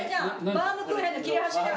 バウムクーヘンの切れ端じゃん。